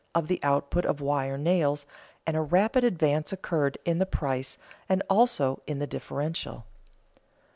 of the output of wire nails, and a rapid advance occurred in the price and also in the differential.